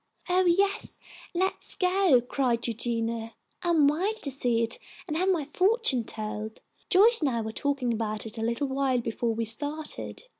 "Oh, yes, let's go!" cried Eugenia. "I'm wild to see it and have my fortune told. Joyce and I were talking about it a little while before we started.